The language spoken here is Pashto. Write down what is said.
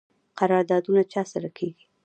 قراردادونه چا سره کیږي؟